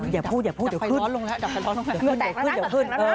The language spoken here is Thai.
อย่าพูดอย่าพูดเดี๋ยวขึ้น